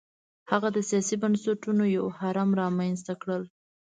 هغه د سیاسي بنسټونو یو هرم رامنځته کړل.